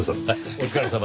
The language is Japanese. お疲れさま。